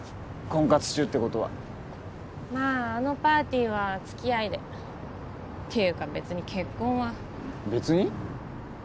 婚活中ってことはまああのパーティーは付き合いでていうか別に結婚は別に？